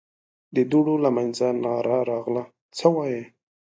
د دوړو له مينځه ناره راغله: څه وايې؟